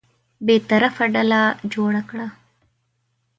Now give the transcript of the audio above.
بېطرفه ډله جوړه کړه.